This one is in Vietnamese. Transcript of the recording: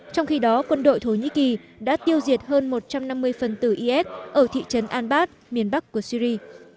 trong khi đó quân đội thổ nhĩ kỳ đã tiêu diệt hơn một trăm năm mươi phần tử is ở thị trấn al bad miền bắc của syri